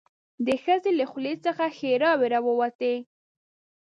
د ښځې له خولې څخه ښيراوې راووتې.